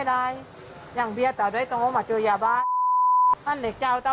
แล้วนี้ดูให้พวกผมน่าทุกหน้ากาก